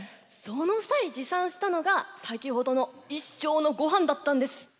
その際持参したのが先ほどの一升のごはんだったんです。